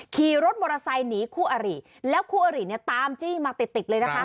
ขี่รถมอเตอร์ไซค์หนีคู่อริแล้วคู่อริเนี่ยตามจี้มาติดติดเลยนะคะ